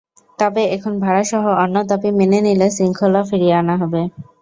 তবে এখন ভাড়াসহ অন্য দাবি মেনে নিলে শৃঙ্খলা ফিরিয়ে আনা হবে।